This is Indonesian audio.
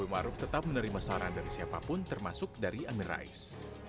⁇ maruf tetap menerima saran dari siapapun termasuk dari amin rais